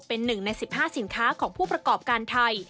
เป็น๑ใน๑๕สินค้าของผู้ประกอบการไทย